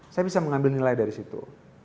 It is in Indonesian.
saya bisa mengambil nilai dari situ